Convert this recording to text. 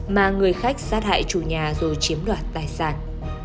mà người khách sát hại chủ nhà rồi chiếm đoạt tài sản